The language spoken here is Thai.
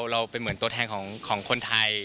เราเป็นเหมือนตัวแทนของคนไทย